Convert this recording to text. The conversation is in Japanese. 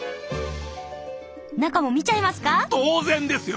中も見ちゃいますか？